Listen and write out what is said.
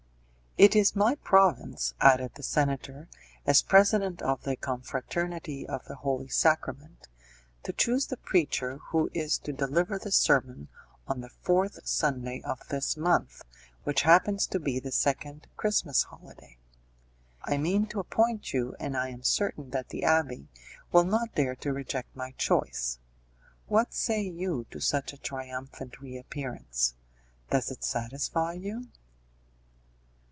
"It is my province," added the senator, "as president of the Confraternity of the Holy Sacrament, to choose the preacher who is to deliver the sermon on the fourth Sunday of this month, which happens to be the second Christmas holiday. I mean to appoint you, and I am certain that the abbé will not dare to reject my choice. What say you to such a triumphant reappearance? Does it satisfy you?"